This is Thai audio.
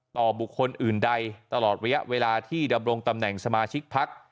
บุคคลอื่นใดตลอดระยะเวลาที่ดำรงตำแหน่งสมาชิกพัก